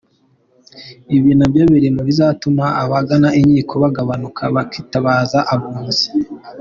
Ibi nabyo biri mu bizatuma abagana inkiko bagabanuka, bakitabaza Abunzi.